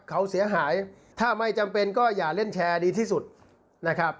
เขาเสียหายถ้าไม่จำเป็นก็อย่าเล่นแชร์ดีที่สุดนะครับ